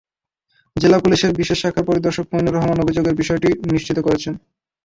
জেলা পুলিশের বিশেষ শাখার পরিদর্শক মইনুর রহমান অভিযানের বিষয়টি নিশ্চিত করেছেন।